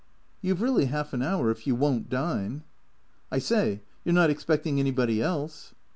" You 've really half an hour, if you won't dine." " I say, you're not expecting anybody else